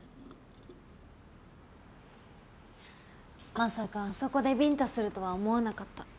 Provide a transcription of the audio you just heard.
まさかあそこでビンタするとは思わなかった。